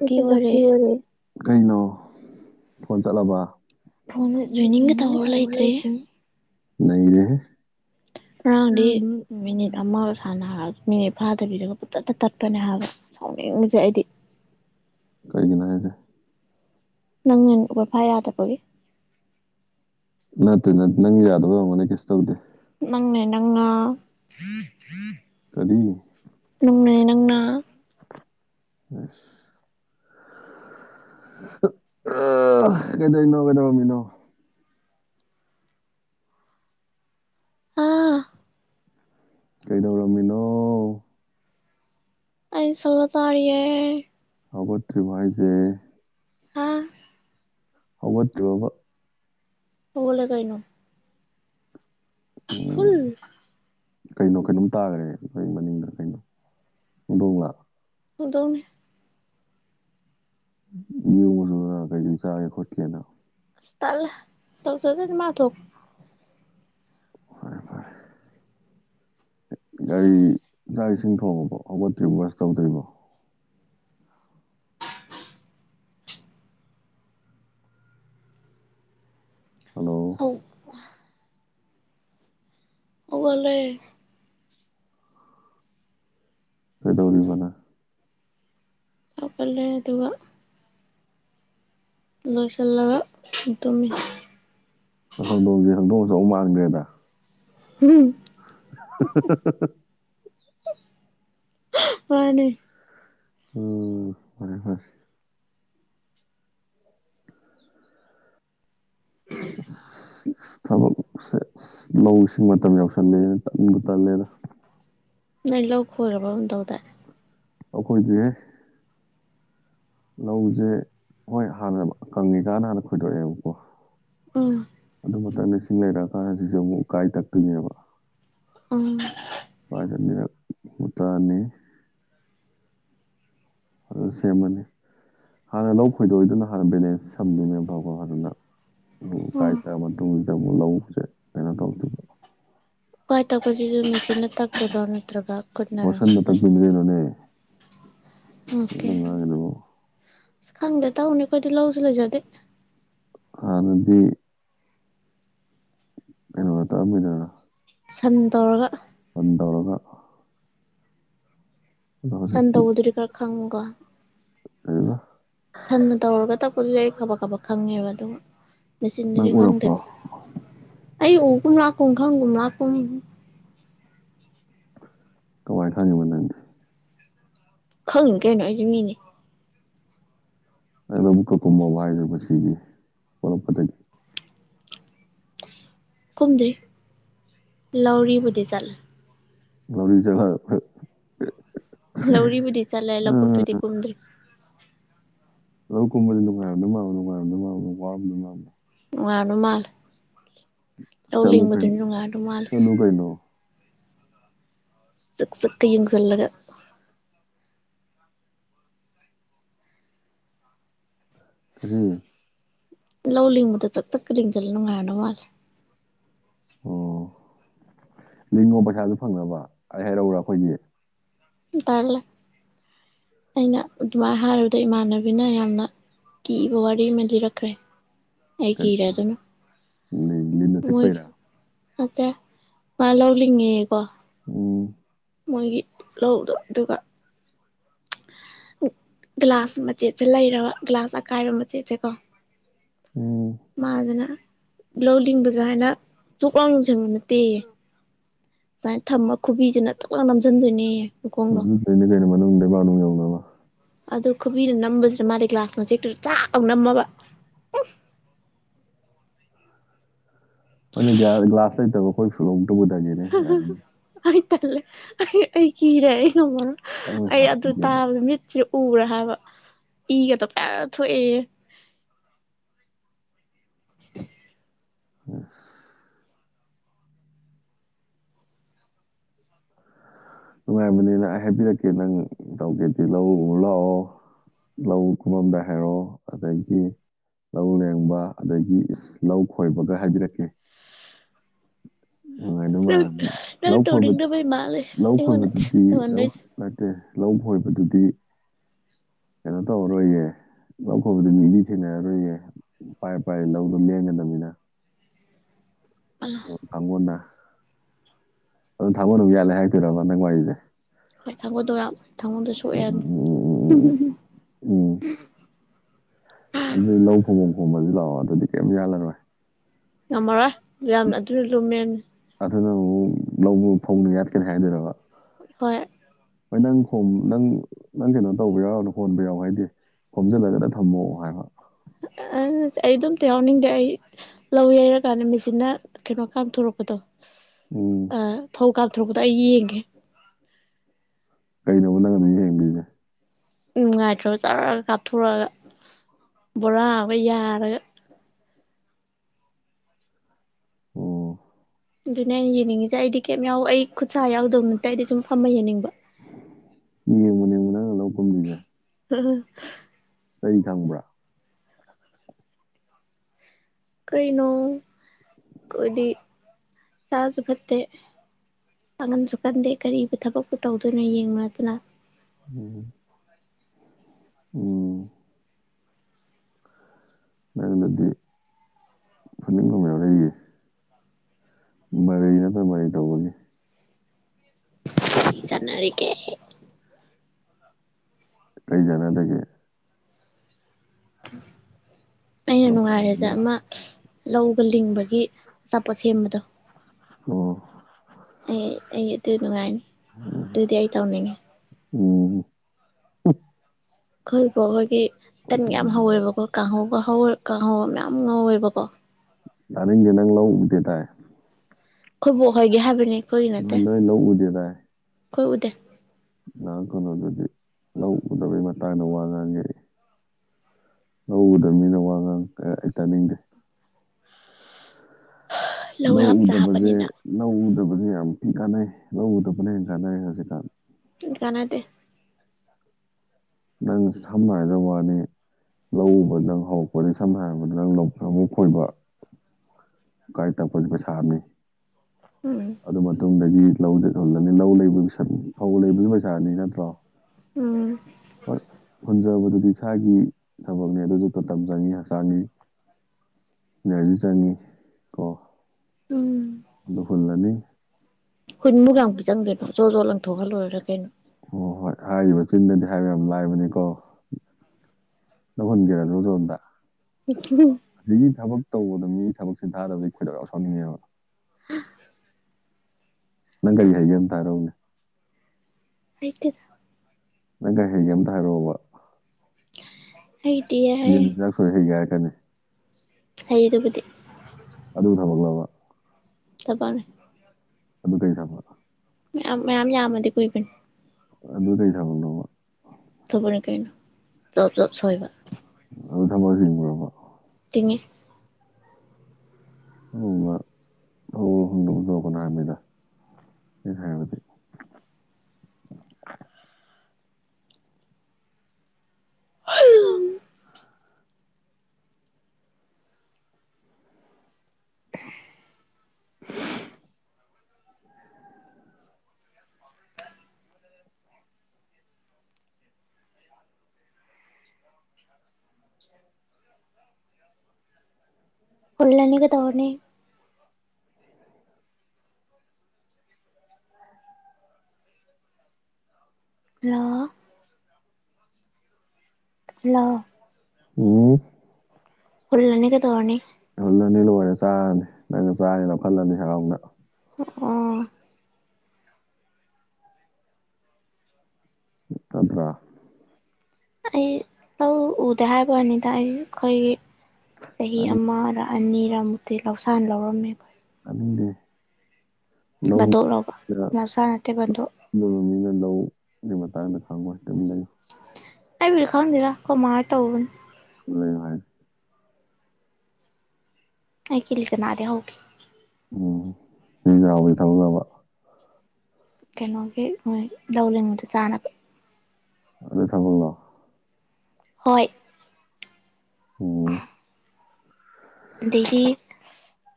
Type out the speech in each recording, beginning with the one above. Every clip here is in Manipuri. ꯃꯁꯤ ꯂꯛꯀꯤ ꯑꯣꯏꯔꯦ ꯀꯩꯅꯣ ꯐꯣꯟ ꯆꯠꯂꯕ ꯐꯣꯟꯁꯦ ꯖꯣꯏꯅꯤꯡꯒ ꯇꯧꯔ ꯅꯤꯡ ꯂꯩꯇ꯭ꯔꯦ ꯅꯩꯔꯦꯍꯦ ꯉꯔꯥꯡꯗꯤ ꯃꯤꯅꯤꯠ ꯑꯃ ꯁꯅ ꯃꯤꯅꯩ ꯐꯥꯗꯕꯤꯗꯒ ꯐꯖꯗ ꯇꯠꯄꯅꯦ ꯍꯥꯏꯕ ꯁꯥꯎꯅꯤꯡꯕꯁꯦ ꯑꯩꯗꯤ ꯀꯩꯒꯤꯅꯣ ꯍꯥꯏꯖꯦ ꯅꯪꯅ ꯋꯥꯏ ꯐꯥꯏ ꯌꯥꯗꯕꯒꯤ ꯅꯠꯇꯦ ꯅꯠ ꯅꯪ ꯌꯥꯗꯕꯩ ꯑꯣꯏꯔꯝꯒꯅꯤ ꯅꯪ ꯀꯩꯁꯨ ꯇꯧꯗꯦ ꯅꯪꯅꯦ ꯅꯪꯉꯥ ꯀꯔꯤ ꯅꯨꯡꯅꯦ ꯅꯪꯅ ꯑꯁ ꯀꯩꯗꯩꯅꯣ ꯀꯩꯗꯧꯔꯝꯃꯤꯅꯣ ꯑꯥ ꯀꯩꯗꯧꯔꯃꯤꯅꯣ ꯑꯩ ꯁꯜꯂ ꯇꯥꯔꯤꯌꯦ ꯍꯧꯠꯇ꯭ꯔꯤꯕꯣ ꯍꯥꯏꯖꯦ ꯍꯥ ꯍꯧꯒꯠꯇ꯭ꯔꯤꯕꯣꯕ ꯍꯧꯒꯠꯂꯦ ꯀꯩꯅꯣ ꯎꯝ ꯐꯨꯜ ꯀꯩꯅꯣ ꯀꯩꯅꯣꯝ ꯇꯥꯈ꯭ꯔꯦ ꯑꯩꯈꯣꯏ ꯃꯅꯤꯡꯗ ꯀꯩꯅꯣ ꯍꯧꯗꯣꯡ ꯂ ꯎꯗꯧꯅꯤ ꯌꯦꯡꯉꯨꯆꯣꯗꯅ ꯀꯩꯀꯩ ꯆꯥꯒꯦ ꯈꯣꯠꯀꯦꯗꯣ ꯇꯜꯂꯦ ꯇꯧꯖꯥꯖꯅꯤ ꯃꯥ ꯊꯣꯛ [unintelligible] ꯒꯥꯔꯤ ꯆꯥꯛ ꯏꯁꯤꯡ ꯊꯣꯡꯉꯕꯣ ꯍꯧꯒꯠꯇ꯭ꯔꯤꯕ ꯕꯁ ꯇꯧꯗ꯭ꯔꯤꯕꯣ ꯍꯜꯂꯣ ꯑꯧ ꯍꯧꯒꯠꯂꯦ ꯀꯩꯗꯧꯅꯤꯕ ꯅ ꯍꯧꯒꯠꯂꯦ ꯑꯗꯨꯒ ꯂꯣꯏꯁꯤꯜꯂꯒ ꯇꯨꯝꯃꯤ ꯍꯧꯗꯣꯡꯁꯦ ꯍꯧꯗꯣꯡ ꯑꯆꯧꯕ ꯃꯥꯅꯗ꯭ꯔꯦꯗ ꯃꯥꯅꯦ ꯎꯝ ꯐꯔꯦ ꯐꯔꯦ ꯑꯁ ꯊꯕꯛꯁꯦ ꯂꯧ ꯏꯁꯤꯡ ꯃꯇꯝ ꯌꯥꯎꯁꯂꯛꯑꯦ ꯇꯟꯕꯨ ꯇꯜꯂꯦꯗ ꯅꯣꯏ ꯂꯧ ꯈꯣꯏꯔꯕ ꯀꯩꯅꯣꯝ ꯇꯧꯗꯥꯏ ꯑꯈꯣꯏꯖꯦ ꯂꯧꯁꯦ ꯍꯣꯏ ꯍꯥꯟꯅ ꯀꯪꯉꯤꯀꯅꯗ ꯍꯥꯟꯅ ꯈꯣꯏꯗꯣꯛꯑꯦꯕꯀꯣ ꯎꯝ ꯑꯗꯨꯃꯊꯗ ꯏꯁꯤꯡ ꯂꯩꯔꯛꯑꯀꯥꯟꯗ ꯁꯤꯁꯨ ꯑꯃꯨꯛ ꯎꯀꯥꯏ ꯇꯛꯇꯣꯏꯅꯦꯕ ꯎꯝ [unintelligible] ꯃꯨꯇꯥꯑꯅꯤ ꯑꯗꯨ ꯁꯦꯝꯃꯅꯤ ꯍꯥꯟꯅ ꯂꯧ ꯈꯣꯏꯗꯣꯛꯏꯗꯨꯅ ꯍꯥꯟꯅ ꯕꯦꯂꯦꯟꯁ ꯁꯝꯗꯣꯏꯅꯦꯕ ꯐꯥꯎ ꯑꯗꯨꯅ ꯎ ꯎꯝ ꯀꯥꯏ ꯇꯛ ꯑ ꯃꯇꯨꯡꯁꯤꯗ ꯑꯃꯨꯛ ꯂꯧꯎꯁꯦ ꯀꯩꯅꯣ ꯇꯧꯗꯧꯕ ꯎꯀꯥꯏ ꯇꯛꯄꯁꯤꯁꯨ ꯃꯦꯆꯤꯟꯅ ꯇꯛꯇꯣꯏꯔꯣ ꯅꯠꯇ꯭ꯔꯒ ꯈꯨꯠꯅꯔꯣ ꯑ‌ꯦꯕ‌ꯣꯔꯁꯟ ꯎꯝ ꯃꯇꯝꯅꯤꯅ‌ꯦ ꯀꯩꯅꯣꯅꯦ ꯑꯣꯀꯦ ꯑꯗꯨ ꯉꯥꯡꯉꯤꯗꯨꯕꯨ ꯈꯪꯗ ꯇꯧꯅ‌ꯦ ꯑꯈꯣꯏꯗꯤ ꯂꯧꯁꯨ ꯂꯩꯖꯗꯦ ꯍꯥꯟꯅꯗꯤ ꯀꯩꯅꯣ ꯇꯥ ꯑꯝ ꯅꯤꯗ ꯁꯟ ꯇꯧꯔꯒ [unintelligible] ꯕꯟ ꯇꯧꯔꯒ ꯑꯗꯣ ꯁꯟ ꯍꯧꯖꯤꯛꯇꯤ ꯇꯧꯗꯣꯔꯤ ꯈꯔ ꯈꯪꯉꯨꯀꯣ [unintelligible] ꯁꯟꯅ ꯇꯧꯔꯒ ꯇꯛꯄꯗꯨꯗꯤ ꯑꯩ ꯀꯕꯛ ꯀꯕꯛ ꯈꯪꯉꯦꯕ ꯑꯗꯨ ꯅꯪ ꯃꯦꯆꯤꯟꯗꯨꯗꯤ ꯎꯔꯛꯄ꯭ꯔꯣ ꯈꯪꯗꯦꯕ ꯑꯩ ꯎꯒꯨꯝ ꯂꯥꯛꯀꯨꯝ ꯈꯪꯒꯨꯝ ꯂꯥꯛꯀꯨꯝ ꯀꯃꯥꯏ ꯈꯪꯏꯕ ꯅꯪꯗꯤ ꯈꯪꯉꯤꯅꯤ ꯀꯩꯅꯣ ꯑꯩꯖ‌ꯦ ꯃꯤꯅꯦ ꯅꯪꯗ‌ꯣ ꯑꯃꯨꯛ ꯀ ꯀꯨꯝꯃꯕ‌ꯣ ꯍꯥꯏꯒ ꯃꯁꯤꯗꯤ ꯄꯣꯂꯛꯄꯗꯩ ꯀꯨꯝꯗ‌ꯦ ꯂꯧꯔꯤꯕꯨꯗꯤ ꯆꯠꯂꯦ ꯂꯧꯔꯤ ꯆꯠꯂꯒ [unintelligible] ꯂꯧꯔꯤꯕꯨꯗꯤ ꯆꯠꯂꯦ ꯑꯥ ꯂꯕꯨꯛꯇꯗꯤ ꯀꯨꯝꯗ꯭ꯔꯤ ꯂꯧ ꯀꯨꯝꯕꯖ‌ꯦ ꯅꯨꯡꯉꯥꯏꯔꯝꯗꯧ ꯃꯥꯟꯕ ꯅꯨꯡꯉꯥꯏꯔꯝꯗꯧ ꯃꯥꯟꯕ ꯋꯥꯔꯝꯗꯧ ꯃꯥꯟꯕ ꯅꯨꯡꯉꯥꯏ ꯔꯝꯕ ꯃꯥꯜꯂꯦ ꯂꯧ ꯂꯤꯡꯕꯗꯨꯟ ꯅꯨꯡꯉꯥꯏꯔꯝꯗꯧ ꯃꯥꯜꯂꯦ ꯒꯩꯅꯣ ꯆꯛ ꯆꯛ ꯀ ꯌꯨꯡꯖꯜꯂꯒ [unintelligible] ꯂꯧ ꯂꯤꯡꯕꯗ‌ꯣ ꯆꯛ ꯆꯛꯀ ꯂꯤꯡꯖꯜꯂ ꯅꯨꯡꯉꯥꯏ ꯔꯝꯗꯧ ꯃꯥꯜꯂꯦ ꯑꯣ ꯂꯤꯡꯉꯣ ꯄꯩꯁꯥꯖꯨ ꯐꯪꯅꯕ ꯑꯩ ꯍꯥꯏꯔꯎꯔꯥ ꯑꯈꯣꯏꯒꯤ ꯎꯝ ꯇꯜꯂꯦ ꯑꯩꯅ ꯑꯗꯨꯃꯥꯏ ꯍꯥꯏꯔꯨꯗꯩ ꯏꯃꯥꯟꯅꯕꯤꯅ ꯌꯥꯝꯅ ꯀꯤꯕ ꯋꯥꯔꯤ ꯑꯃꯥ ꯂꯤꯔꯛꯈ꯭ꯔꯦ ꯑꯩ ꯀꯤꯔꯦ ꯑꯗꯨꯅ ꯂꯤꯟꯅ ꯂꯤꯟꯅ ꯆꯤꯛꯄꯩꯔꯥ ꯅꯠꯇ‌ꯦ ꯃꯥ ꯂꯧ ꯂꯤꯡꯉꯦꯌ‌ꯦꯀꯣ ꯎꯝ ꯃꯣꯏꯒꯤ ꯂꯧꯗꯣ ꯗꯨꯒ ꯒ꯭ꯂꯥꯁ ꯃꯆꯦꯠꯁꯦ ꯂꯩꯔꯕ ꯒ꯭ꯂꯥꯁ ꯑꯀꯥꯏꯕ ꯃꯆꯦꯠꯁꯦ ꯀꯣ ꯎꯝ ꯃꯥꯖꯨꯅ ꯂꯧ ꯂꯤꯡꯕꯖꯨ ꯍꯥꯏꯅ ꯆ‌ꯣꯛ ꯂꯥꯎ ꯌꯨꯡꯁꯟꯕ ꯅꯠꯇꯦꯌ‌ꯦ ꯁꯨꯃꯥꯏꯟ ꯊꯝꯃ ꯈꯨꯕꯤꯖꯤꯅ ꯇꯛꯂ ꯅꯝꯖꯟ ꯗꯣꯏ ꯅꯦꯌꯦ ꯃꯈ‌ꯣꯡꯗꯣ ꯗ‌ꯣꯏꯅꯤ ꯀꯩꯅꯣ ꯃꯅꯨꯡ ꯂꯩꯕꯥꯛ ꯅꯨꯡ ꯌꯧꯅꯕ ꯑꯗꯨ ꯈꯨꯕꯤꯅ ꯅꯝꯕꯖꯤꯗ ꯃꯥꯗꯤ ꯒ꯭ꯂꯥꯁ ꯃꯆꯦꯛꯇꯨꯗ ꯆꯥꯛ ꯂꯥꯎ ꯅꯝꯃꯕ ꯍ‌ꯣꯏꯅ‌ꯦ ꯒꯌꯥ ꯒ꯭ꯂꯥꯁ ꯂꯩꯇꯕ ꯑꯈꯣꯏ ꯁꯨꯂꯣꯡ ꯇꯧꯕꯗꯥꯅꯤꯅꯦ ꯍ‌ꯦꯟ ꯑꯩ ꯇꯜꯂꯦ ꯑꯩ ꯑꯩ ꯀꯤꯔꯦ ꯑꯩ ꯉꯝꯃꯔ‌ꯣꯏ ꯑꯣꯏꯅ ꯑꯩ ꯑꯗꯨ ꯍꯥꯞꯄꯤꯒꯦꯕ ꯇꯥꯕ ꯃꯤꯠꯁꯤ ꯎꯔ‌ꯦ ꯍꯥꯏꯕ ꯏꯒꯗꯣ ꯄꯔ ꯊꯣ ꯑꯦ [unintelligible] ꯅꯨꯡꯉꯥꯏꯕꯅꯤꯅ ꯑꯩ ꯍꯥꯏꯕꯤꯔꯛꯀꯦ ꯅꯪ ꯇꯧꯒꯦꯗꯤ ꯂꯧ ꯎ ꯂꯥꯎꯑ‌ꯣ ꯂꯧ ꯀꯨꯃꯝ ꯗꯥꯏ ꯍꯥꯏꯔꯣ ꯑꯗꯒꯤ ꯂꯧ ꯂꯦꯡꯕ ꯑꯗꯒꯤ ꯂꯧ ꯈꯣꯏꯕꯒ ꯍꯥꯏꯕꯤꯔꯛꯀꯦ [inaudible] ꯅꯨꯡꯉꯥꯏꯗꯧ ꯅꯪ ꯃꯥꯜꯂꯤ ꯅꯪ ꯂꯧ ꯈꯣꯏꯕ ꯇꯧꯅꯤꯡꯗꯕꯩ ꯃꯥꯜꯂꯦ ꯂꯧ ꯑꯩꯉꯣꯟꯗ ꯈꯣꯏꯕꯗꯨꯗꯤ ꯂꯧ ꯇꯧꯍꯟꯗꯣꯏꯁꯦ ꯅꯠꯇꯦ ꯂꯧ ꯈꯣꯏꯕꯗꯨꯗꯤ ꯀꯩꯅꯣ ꯇꯧꯔꯔꯣꯏꯌꯦ ꯂꯧ ꯈꯣꯏꯕꯗꯗꯤ ꯂꯤꯛꯂꯤ ꯊ‌ꯦꯡꯅꯔꯔꯣꯏꯌꯦ ꯑꯄꯥꯏ ꯑꯄꯥꯏ ꯂꯧꯗꯨ ꯂꯦꯡꯒꯗꯕꯅꯤꯗ ꯑꯥ ꯊꯥꯡꯒꯣꯟꯅ ꯑꯗꯨ ꯊꯥꯡꯒꯣꯟꯅ ꯑꯃꯨꯛ ꯌꯥꯜꯂꯦ ꯍꯥꯏꯔꯛꯇꯣꯏꯔꯕ ꯅꯪ ꯋꯥꯔꯤꯖꯦ ꯍꯣꯏ ꯊꯥꯡꯒꯣꯟꯗꯣ ꯌꯥꯝ ꯊꯥꯡꯒꯣꯟꯗꯣ ꯁꯣꯛꯑꯦ ꯎꯝ ꯍꯥꯏꯝ ꯎꯝ ꯎꯝ ꯎꯝ ꯎꯝ ꯍꯥꯏꯕꯅꯤ ꯑꯗꯨꯗꯤ ꯂꯧ ꯐꯩꯗꯣꯝ ꯈꯣꯝꯃꯖꯤ ꯂꯥꯛꯑꯣ ꯑꯗꯨꯗꯤ ꯀꯩꯝ ꯌꯥꯜꯂꯔꯣꯏ ꯉꯝꯃꯔꯣꯏ ꯌꯥꯝꯅ ꯑꯗꯨꯅ ꯂꯨꯝꯃꯦꯝꯃꯤ ꯑꯗꯨꯅ ꯑꯃꯨꯛ ꯂꯧ ꯐꯧꯅ ꯌꯥꯠꯀꯅꯤ ꯍꯥꯏꯗꯣꯏꯔꯕ ꯍꯣꯏ ꯍꯣꯏ ꯅꯪ ꯍꯣꯝ ꯅꯪ ꯅꯪ ꯀꯩꯅꯣ ꯇꯧꯕ ꯌꯥꯎꯔꯅꯨ ꯍꯣꯟꯕ ꯌꯥꯎ ꯍꯥꯏꯗꯦ ꯈꯣꯝꯖꯤꯜꯂꯒꯗ ꯊꯝꯃꯣ ꯍꯥꯏꯕ ꯑꯥ ꯑꯩ ꯑꯗꯨꯝꯇ ꯌꯥꯎꯅꯤꯡꯗꯦ ꯑꯩ ꯂꯧ ꯌꯩꯔꯀꯥꯟꯗ ꯃꯦꯆꯤꯟꯅ ꯀꯩꯅꯣ ꯀꯥꯞꯊꯣꯔꯛꯄꯗꯣ ꯎꯝ ꯑꯥ ꯐꯧ ꯀꯥꯞꯊꯣꯔꯛꯄꯗꯣ ꯑꯩ ꯌꯦꯡꯒꯦ ꯀꯩꯅꯣꯕ ꯅꯪ ꯑꯗꯨ ꯌꯦꯡꯗꯣꯏꯖꯦ ꯅꯨꯡꯉꯥꯏꯇ꯭ꯔꯣ ꯖꯔ ꯖꯔ ꯀꯥꯞꯊꯣꯔꯛꯑꯒ ꯕꯣꯔꯥ ꯑꯃꯒ ꯌꯥꯔꯒ ꯑꯣ ꯑꯗꯨꯅꯦ ꯑꯩꯅ ꯌꯦꯡꯅꯤꯡꯉꯤꯖꯦ ꯑꯩꯗꯤ ꯀꯦꯞ ꯌꯥꯎ ꯑꯩ ꯈꯨꯠ ꯁꯥꯥ ꯌꯥꯎꯗꯧꯕ ꯅꯠꯇꯦ ꯑꯩꯗꯤ ꯁꯨꯝ ꯐꯝꯃ ꯌꯦꯡꯅꯤꯡꯕ ꯌꯦꯡꯕꯅꯦꯕ ꯅꯪ ꯂꯧ ꯀꯨꯝꯃꯤꯖꯦ ꯎꯝ ꯆꯩ ꯈꯪꯕ꯭ꯔꯥ ꯀꯩꯅꯣ ꯈꯣꯏꯗꯤ ꯆꯥꯖꯨ ꯐꯠꯇꯦ ꯄꯥꯡꯒꯟꯁꯨ ꯀꯟꯗꯦ ꯀꯔꯤꯕꯨ ꯊꯕꯛꯄꯨ ꯇꯧꯗꯣꯏꯅꯣ ꯌꯦꯡꯉꯣꯗꯅ ꯎꯝ ꯎꯝ ꯑꯗꯨꯗꯗꯤ ꯐꯨꯅꯤꯡꯕꯃ ꯌꯥꯎꯔꯛꯏꯌꯦ ꯃꯔꯩ ꯅꯠꯇ ꯃꯔꯩ ꯇꯧꯕꯒꯤ ꯆꯥꯅꯔꯤꯒꯦ ꯀꯩꯆꯅꯗꯒꯦ [unintelligible] ꯑꯩꯅ ꯑꯝꯇ ꯍꯥꯏꯕꯅꯤ ꯅꯨꯡꯉꯥꯏꯔꯤꯖꯦ ꯂꯧ ꯑꯃ ꯂꯧꯒ ꯂꯤꯡꯕꯒꯤ ꯑꯆꯥꯄꯣꯠ ꯁꯦꯝꯕꯗꯣ ꯑꯣ ꯑꯩ ꯑꯩ ꯑꯗꯨ ꯅꯨꯡꯉꯥꯏꯅꯤ ꯎꯝ ꯑꯗꯨꯗꯤ ꯑꯩ ꯇꯧꯅꯤꯡꯉꯦ ꯎꯝ ꯈꯣꯏ ꯕꯣꯛꯍꯣꯏꯒꯤ ꯇꯟꯒ ꯌꯥꯝ ꯍꯧꯋꯦꯕꯀꯣ ꯀꯥꯡꯍꯧꯒ ꯍꯧꯋꯦ ꯀꯥꯡꯍꯧꯒ ꯃꯌꯥꯝ ꯉꯥꯎꯋꯦꯕꯀꯣ ꯇꯅꯤꯡꯗꯦ ꯅꯪ ꯂꯧ ꯎꯗꯦꯗꯥꯏ ꯈꯣꯏꯕꯣꯛꯍꯣꯏꯒꯤ ꯍꯥꯏꯕꯅꯤ ꯈꯣꯏꯒꯤ ꯅꯣꯏ ꯅꯠꯇꯦ ꯅꯣꯏ ꯂꯧ ꯈꯣꯏ ꯎꯗꯦ ꯂꯪꯉꯥꯛꯀꯅꯣ ꯑꯗꯨꯗꯤ ꯂꯧ ꯎꯗꯕꯩ ꯃꯇꯥꯡꯗ ꯋꯥ ꯉꯥꯡꯒꯦ ꯑꯩ ꯂꯧ ꯎꯗꯝꯃꯤꯅ ꯋꯥ ꯉꯥꯡ ꯑꯩ ꯇꯅꯤꯡꯗꯦ ꯂꯧ ꯌꯥꯝ ꯎꯗꯕꯖꯦ ꯆꯥꯕꯅꯤꯅ ꯂꯧ ꯎꯗꯕꯖꯦ ꯌꯥꯝ ꯊꯤ ꯀꯥꯟꯅꯩ ꯂꯧ ꯎꯗꯕꯅ ꯍꯦꯟꯅ ꯀꯥꯟꯅꯩ ꯍꯧꯖꯤꯛꯀꯥꯟ ꯀꯥꯅꯗꯦ ꯅꯪ ꯁꯝꯅ ꯍꯥꯏꯖ ꯋꯥꯅꯤ ꯂꯧ ꯎꯕ ꯅꯪ ꯍꯧꯔꯛꯄꯗꯩ ꯁꯝꯅ ꯍꯥꯏꯔꯕꯗ ꯅꯪ ꯁꯥꯟꯄꯣꯠ ꯈꯣꯏꯕ ꯎꯀꯥꯏ ꯇꯛꯄꯁꯦ ꯄꯩꯁꯥꯝꯅꯤ ꯎꯝ ꯑꯗꯨ ꯃꯇꯨꯡꯗꯒꯤ ꯂꯧꯗ ꯌꯣꯜꯂꯅꯤ ꯂꯧ ꯂꯩꯕ ꯐꯧ ꯂꯩꯕꯁꯨ ꯄꯩꯁꯥꯅꯤ ꯅꯠꯇ꯭ꯔꯣ ꯎꯝ꯫ ꯍꯣꯏ ꯍꯨꯟꯖꯕꯗꯨꯗꯤ ꯏꯁꯥꯒꯤ ꯊꯕꯛꯅꯦ ꯑꯗꯨꯗꯨ ꯇ ꯇꯝ ꯆꯪꯉꯤ ꯍꯛꯆꯥꯡꯒꯤ ꯏꯅ꯭ꯔꯖꯤ ꯆꯪꯉꯤ ꯀꯣ ꯎꯝ ꯑꯗꯨ ꯍꯨꯜꯂꯅꯤ꯫ ꯍꯨꯟꯕꯨ ꯀ꯭ꯌꯥꯝ ꯀꯧꯏ ꯆꯪꯗꯣꯏꯅꯣ ꯖꯣ ꯖꯣ ꯂꯪꯊꯣꯛꯈ꯭ꯔ ꯂꯣꯏꯔꯦ ꯀꯩꯅꯣ꯫ ꯑꯣ ꯍꯣꯏ ꯍꯥꯏꯔꯤꯕ ꯆꯤꯟꯗꯗꯤ ꯍꯥꯏꯕ ꯌꯥꯝ ꯂꯥꯏꯕꯅꯤꯀꯣ꯫ ꯅꯪ ꯍꯨꯟꯒꯦꯔꯥ ꯖꯣ ꯖꯣ ꯑꯝꯇ꯫ [unintelligible] ꯑꯁꯤꯒꯤ ꯊꯕꯛ ꯇꯧꯕꯗ ꯃꯤ ꯊꯕꯛ ꯁꯤꯟꯊꯥꯗꯕꯗꯁꯦ ꯑꯩ ꯈꯣꯏꯗꯧ ꯌꯥꯝ ꯁꯥꯎꯅꯤꯡꯉꯦꯕ꯫ [unintelligible] ꯅꯪ ꯀꯩ ꯍꯩꯒꯦ ꯑꯝꯇ ꯍꯥꯏꯔꯛꯎꯅꯦ꯫ ꯍꯩꯇꯦꯗ꯫ ꯅꯪ ꯀꯩ ꯍꯩꯒꯦ ꯑꯝꯇ ꯍꯥꯏꯔꯛꯑꯣꯕ꯫ [unintelligible] ꯍꯩ ꯌꯦꯟ ꯃꯆꯤꯟꯖꯥꯛ ꯁꯣꯏ ꯍꯩꯒ ꯍꯥꯏꯔꯛꯀꯅꯤ꯫ ꯍꯩ ꯑꯗꯨꯕꯨꯗꯤ꯫ ꯑꯗꯨꯕꯨ ꯊꯕꯛꯂꯕ꯫ ꯊꯕꯛꯅꯦ꯫ ꯑꯗꯨ ꯀꯩ ꯊꯕꯛ꯫ ꯃꯌꯥꯝ ꯃꯌꯥꯝ ꯌꯥꯝꯃꯗꯤ ꯀꯨꯏꯕꯅꯦ꯫ ꯑꯗꯨ ꯀꯩ ꯊꯕꯛꯅꯣꯕ꯫ ꯊꯧꯕꯛꯅꯦ ꯀꯩꯅꯣ ꯖꯣꯕ ꯖꯣꯕ ꯁꯣꯏꯕ꯫ ꯑꯗꯨ ꯊꯕꯛ ꯆꯤꯡꯕ꯭ꯔꯕ꯫ ꯆꯤꯡꯉꯦ꯫ ꯑꯗꯨꯒꯨꯝꯕ ꯃꯊꯣꯡ ꯃꯔꯝ ꯈꯪꯗꯕꯗꯣ ꯇꯧꯔꯛꯀꯅꯣ ꯍꯥꯏꯕꯅꯤꯗ ꯑꯩꯅ ꯍꯥꯏꯕꯗꯤ꯫ [unintelligible] [unintelligible] ꯍꯨꯜꯂꯅꯤ ꯀꯩꯗꯧꯔꯨꯅꯤ꯫ ꯎ ꯍꯜꯂꯣ꯫ ꯍꯜꯂꯣ꯫ ꯎꯝ꯫ ꯍꯨꯜꯂꯅꯤ ꯀꯩꯇꯧꯔꯅꯤ꯫ ꯍꯨꯜꯂꯅꯤ ꯂꯣꯏꯔꯦ ꯆꯥꯔꯅꯤ ꯅꯪꯅ ꯆꯥꯔꯅꯤ ꯂꯧꯈꯠꯂꯅꯤ ꯍꯥꯔꯎꯅ꯫ ꯑꯣ꯫ ꯅꯠꯇ꯭ꯔꯥ꯫ ꯑꯩ ꯂꯧ ꯎꯗꯦ ꯍꯥꯏꯕ ꯋꯥꯅꯤꯗ ꯑꯩꯁꯨ ꯑꯩꯈꯣꯏꯒꯤ ꯆꯍꯤ ꯇꯥꯅꯤꯡ ꯑꯃꯔꯥ ꯑꯅꯤꯔꯃꯨꯛꯇꯤ ꯂꯧꯁꯥꯟ ꯂꯧꯔꯝꯃꯦꯕ꯫ ꯑꯅꯤꯅꯦ꯫ ꯕꯟꯗꯣꯛ ꯂꯧꯕ ꯂꯧꯁꯥꯟ ꯅꯠꯇꯦ ꯕꯟꯗꯣꯛ꯫ ꯑꯗꯨꯅ ꯃꯤꯅ ꯂꯧ ꯒꯤ ꯃꯇꯥꯡꯗ ꯈꯪꯉꯣꯏ ꯇꯨꯃꯤꯟ ꯂꯩꯌꯨ꯫ ꯑꯩꯕꯨꯗꯤ ꯈꯪꯗꯦꯗ ꯈꯣꯏ ꯃꯥ ꯍꯣꯏ ꯇꯧꯕꯅꯤ꯫ ꯑꯗꯨꯅꯦ ꯑꯩꯅ ꯍꯥꯏꯁꯦ꯫ ꯑꯩ ꯀꯤꯂꯤ ꯆꯅꯥꯗꯤ ꯍꯧꯒꯦ꯫ ꯀꯣ ꯀꯤꯂꯤꯆꯅꯥ ꯍꯧꯕꯁꯦ ꯊꯕꯛꯂꯕ꯫ ꯀꯩꯅꯣꯒꯤ ꯃꯣꯏ ꯂꯧ ꯂꯤꯡꯕꯗ ꯆꯥꯅꯕ꯫ ꯑꯗꯨ ꯊꯕꯛꯂꯣ ꯍꯣꯏ ꯎꯝ ꯑꯗꯩꯗꯤ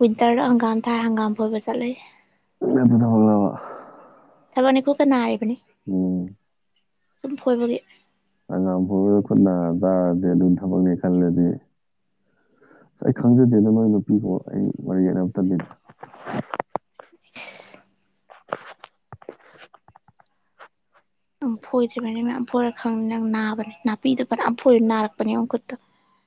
ꯋꯤꯟꯇꯔꯗ ꯍꯪꯒꯥꯝ ꯊꯥꯔ ꯍꯪꯒꯥꯝ ꯐꯣꯏꯕ ꯆꯠꯂꯦ ꯑꯗꯨ ꯊꯕꯛꯂꯕ ꯊꯕꯛꯅꯤ ꯀꯨꯠꯀ ꯅꯔꯤꯕꯅꯤ ꯎꯝ ꯑꯗꯨꯝ ꯐꯣꯏꯕꯒꯤ ꯍꯪꯒꯥꯝ ꯐꯣꯢꯔꯒ ꯈꯨꯠꯅ ꯇꯥꯔꯗꯤ ꯑꯗꯨꯝ ꯊꯕꯛꯅꯦ ꯈꯜꯂꯗꯤ ꯑꯁ ꯑꯩ ꯈꯪꯖꯗꯦꯗ ꯅꯣꯢ ꯅꯨꯄꯤꯒꯤ ꯊꯕꯛ ꯑꯩ ꯃꯔꯩ ꯌꯦꯠꯅꯕ ꯇꯜꯂꯤꯗ [unintelligible] ꯅꯪ ꯐꯣꯏꯗ꯭ꯔꯤꯕꯅꯤ ꯃꯌꯥꯝ ꯐꯣꯏꯔ ꯈꯪꯅꯤ ꯅꯪ ꯅꯥꯕꯅꯦ ꯅꯥꯄꯤꯗꯣ ꯄꯅꯥꯝ ꯐꯣꯏꯔ ꯅꯥꯔꯛꯄꯅꯦ ꯌꯦꯡꯉꯣ ꯈꯨꯠꯇꯣ